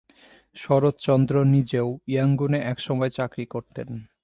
শরৎচন্দ্র নিজেও ইয়াঙ্গুনে একসময় চাকরি করতেন।